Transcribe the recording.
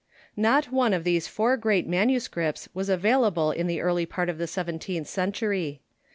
Not one of these four great manuscripts was availa ble in the early part of the seventeenth century.